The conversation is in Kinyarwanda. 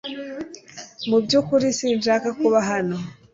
Mu byukuri sinshaka kuba hano .